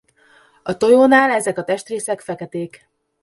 A tojónál ezek a testrészek feketék.